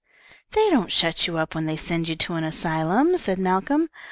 "They don't shut you up when they send you to an asylum," said Malcolm.